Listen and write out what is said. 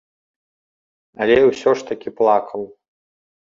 Але ўсё ж такі плакаў.